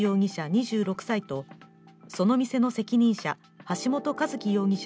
２６歳とその店の責任者、橋本一喜容疑者